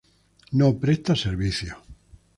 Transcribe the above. No presta servicios.